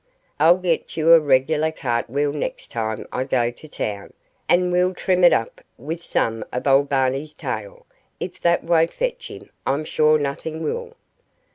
I'll get you a regular cart wheel next time I go to town, and we'll trim it up with some of old Barney's tail. If that won't fetch him, I'm sure nothing will."